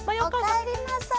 おかえりなさい。